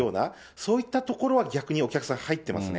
そういった所は逆にお客さん入ってますね。